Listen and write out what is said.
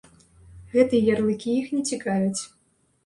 Гэтыя ярлыкі іх не цікавяць.